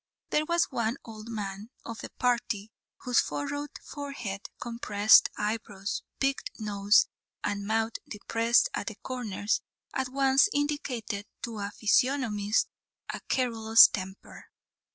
There was one old man of the party whose furrowed forehead, compressed eyebrows, piqued nose, and mouth depressed at the corners, at once indicated to a physiognomist a querulous temper.